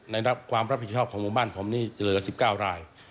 ในความรับผิดชอบของหมู่บ้านผมนี่เหลือ๑๙ราย